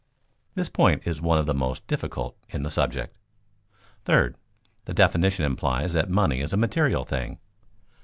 This point is one of the most difficult in the subject. Third, the definition implies that money is a material thing.